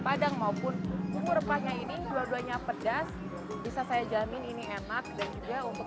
padang maupun bumbu rempahnya ini dua duanya pedas bisa saya jamin ini enak dan juga untuk